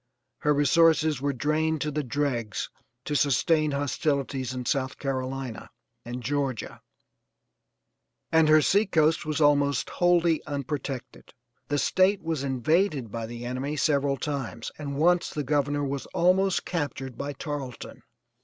Her resources were drained to the dregs to sustain hostilities in South Carolina and Georgia, and her sea coast was almost wholly unprotected. The State was invaded by the enemy several times and once the Governor was almost captured by Tarleton.